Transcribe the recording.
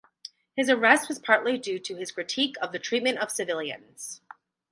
His arrest was partly due to his critique of the treatment of civilians.